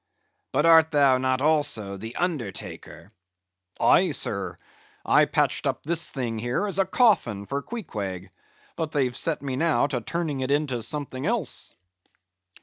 But art thou not also the undertaker?" "Aye, sir; I patched up this thing here as a coffin for Queequeg; but they've set me now to turning it into something else."